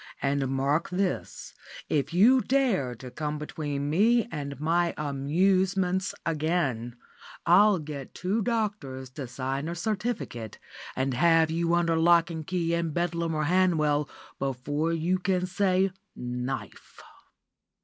And mark this, if you dare to come between me and my amusements again, I'll get two doctors to sign a certificate, and have you under lock and key in Bedlam or Hanwell, before you can say 'knife.